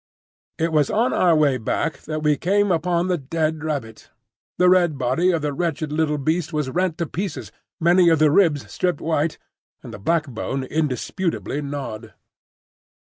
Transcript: It was on our way back that we came upon the dead rabbit. The red body of the wretched little beast was rent to pieces, many of the ribs stripped white, and the backbone indisputably gnawed.